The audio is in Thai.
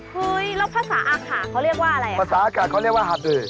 เฮ้ยแล้วภาษาอาขาเขาเรียกว่าอะไรอ่ะภาษาอากาศเขาเรียกว่าหัดเดย